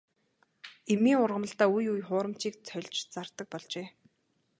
Эмийн ургамалдаа үе үе хуурамчийг хольж зардаг болжээ.